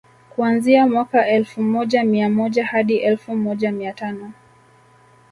kuanzia mwaka elfu moja mia moja hadi elfu moja mia tano